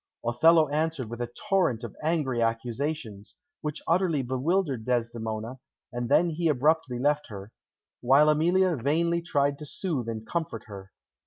Othello answered with a torrent of angry accusations, which utterly bewildered Desdemona, and then he abruptly left her, while Emilia vainly tried to soothe and comfort her.